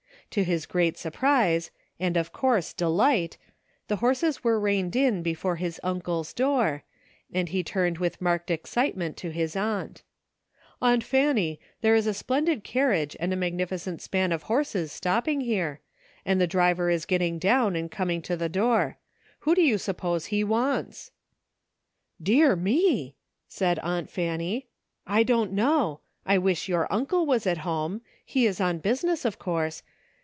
To his great surprise, and of course delight, the horses were reined in before his uncle's door, and he turned with marked excitement to his aunt. 276 ENTEllTAINING COMPANY. '*Aunt Fanny, there's a splendid carriage and a magnificent span of horses stopping here, and the driver is getting down and coming to the door. Who do you suppose he wants ?" ''Dear me!" said Aunt Fanny, "I don't know. I wish your uncle was at home. He is on business, of course.